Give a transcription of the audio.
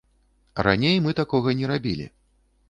Раней мы такога не рабілі.